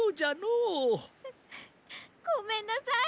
ううごめんなさい！